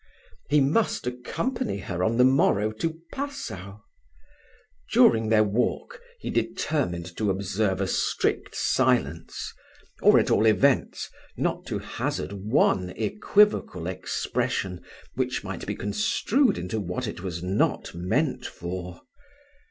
He must accompany her on the morrow to Passau. During their walk, he determined to observe a strict silence; or, at all events, not to hazard one equivocal expression, which might be construed into what it was not meant for.